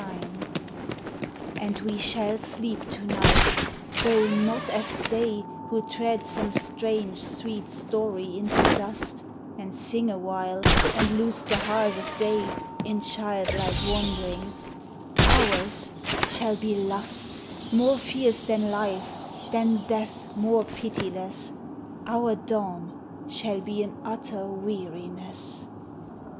AFTER LOVE And we shall sleep to night, though not as they Who tread some strange, sweet story into dust, And sing awhile, and lose the heart of day In child like wanderings ; ours shall be lust More fierce than life, than death more pitiless, Our dawn shall be an utter weariness.